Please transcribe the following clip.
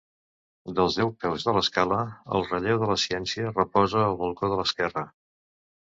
Des dels peus de l’escala, el relleu de la Ciència reposa al balcó de l’esquerra.